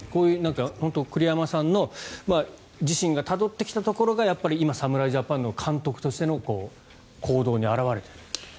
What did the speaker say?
栗山さんの自身がたどってきたところが今、侍ジャパンの監督としての行動に表れている。